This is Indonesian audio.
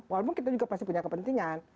walaupun kita juga pasti punya kepentingan